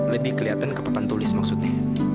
lebih kelihatan ke papan tulis maksudnya